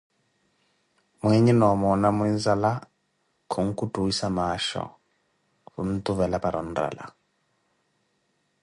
Mwiiinhe noo omoona muinzala, khunkutwissa maasho, khuntuvela para onrala.